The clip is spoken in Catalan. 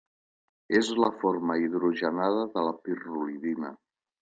És la forma hidrogenada de la pirrolidina.